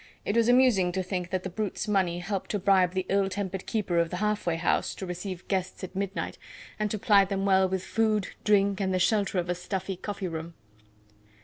It was amusing to think that the brute's money helped to bribe the ill tempered keeper of the half way house to receive guests at midnight, and to ply them well with food, drink, and the shelter of a stuffy coffee room.